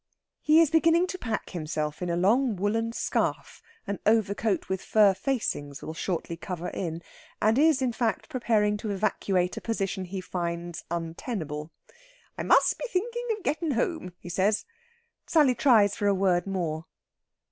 He is beginning to pack himself in a long woollen scarf an overcoat with fur facings will shortly cover in, and is, in fact, preparing to evacuate a position he finds untenable. "I must be thinkin' of gettin' home," he says. Sally tries for a word more.